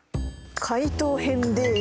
解答編です。